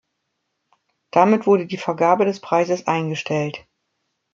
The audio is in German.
Damit wurde die Vergabe des Preises eingestellt.